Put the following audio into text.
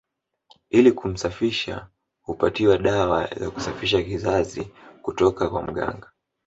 Ili kumsafisha hupatiwa dawa ya kusafisha kizazi kutoka kwa mganga